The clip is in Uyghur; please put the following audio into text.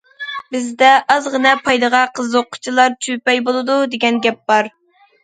بىزدە‹‹ ئازغىنە پايدىغا قىزىققۇچىلار چۈپەي بولىدۇ›› دېگەن گەپ بار.